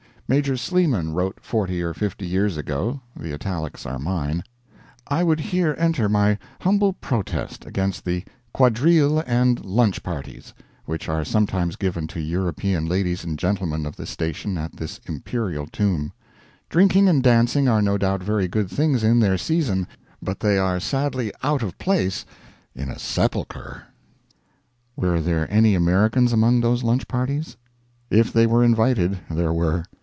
Major Sleeman wrote forty or fifty years ago (the italics are mine): "I would here enter my humble protest against the quadrille and lunch parties which are sometimes given to European ladies and gentlemen of the station at this imperial tomb; drinking and dancing are no doubt very good things in their season, but they are sadly out of place in a sepulchre." Were there any Americans among those lunch parties? If they were invited, there were.